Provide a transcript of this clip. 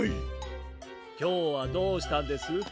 きょうはどうしたんです？